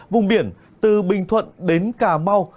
vùng biển từ bình thuận đến cà mau